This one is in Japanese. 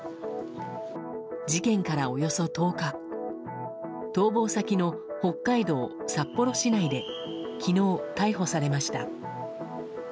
事件からおよそ１０日逃亡先の北海道札幌市内で昨日、逮捕されました。